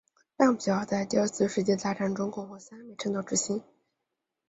拉姆齐号在第二次世界大战共获三枚战斗之星。